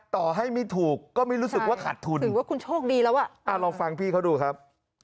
ต่อให้ไม่ถูกก็ไม่รู้สึกว่าขาดทุนถือว่าคุณโชคดีแล้วอ่ะลองฟังพี่เขาดูครับ